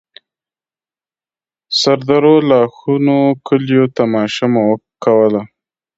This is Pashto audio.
سردرو، لاښونو، کليو تماشه مو کوله.